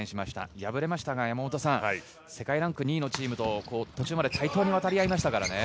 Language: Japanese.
敗れましたが山本さん、世界ランク２位のチームと、途中まで対等に渡り合いましたからね。